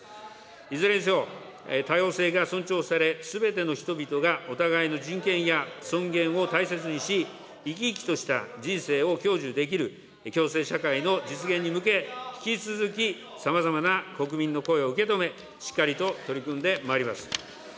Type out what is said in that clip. いずれにせよ、多様性が尊重され、すべての人々がお互いの人権や尊厳を大切にし、生き生きとした人生を享受できる共生社会の実現に向け、引き続きさまざまな国民の声を受け止め、しっかりと取り組んでまいります。